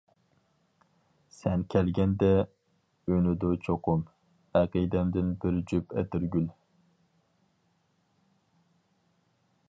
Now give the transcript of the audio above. سەن كەلگەندە ئۈنىدۇ چوقۇم، ئەقىدەمدىن بىر جۈپ ئەتىرگۈل.